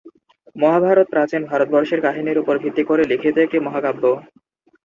মহাভারত প্রাচীন ভারতবর্ষের কাহিনির ওপর ভিত্তি করে লিখিত একটি মহাকাব্য।